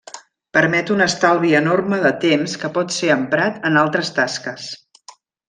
Permet un estalvi enorme de temps que pot ser emprat en altres tasques.